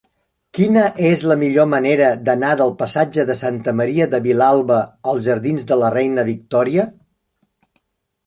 Quina és la millor manera d'anar del passatge de Santa Maria de Vilalba als jardins de la Reina Victòria?